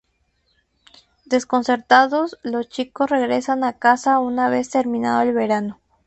Desconcertados, los chicos regresan a casa una vez terminado el verano.